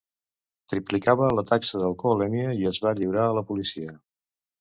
Triplicava la taxa d'alcoholèmia i es va lliurar a la policia.